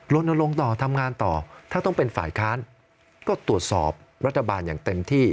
ลนลงต่อทำงานต่อถ้าต้องเป็นฝ่ายค้านก็ตรวจสอบรัฐบาลอย่างเต็มที่